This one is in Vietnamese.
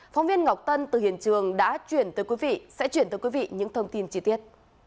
phóng viên ngọc tân từ hiện trường sẽ truyền tới quý vị những thông tin chi tiết